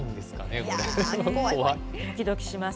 どきどきします。